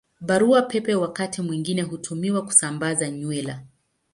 Barua Pepe wakati mwingine hutumiwa kusambaza nywila.